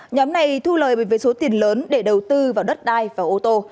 nhóm này thu lời với số tiền lớn để đầu tư vào đất đai và ô tô